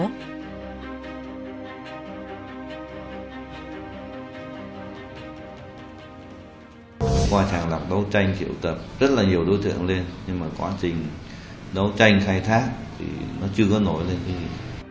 ngoài thẳng lập đấu tranh triệu tập rất là nhiều đối tượng lên nhưng mà quá trình đấu tranh khai thác thì nó chưa có nổi lên cái gì